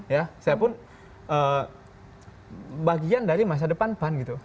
ya saya pun bagian dari masa depan pan gitu